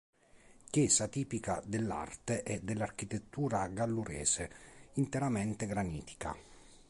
Chiesa tipica dell'arte e dell'architettura gallurese, interamente granitica.